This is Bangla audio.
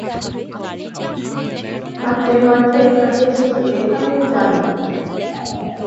হাটে, মাঠে, ঘাটে যেখানেই যান, বায়েজিদ তার বাবার সাইকেলে চড়ে বসে।